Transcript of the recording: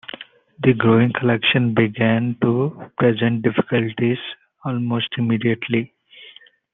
The growing collections began to present difficulties almost immediately.